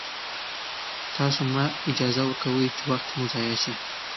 تاسو مه اجازه ورکوئ چې وخت مو ضایع شي.